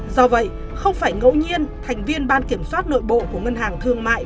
do vậy không phải ngẫu nhiên thành viên ban kiểm soát nội bộ của ngân hàng thương mại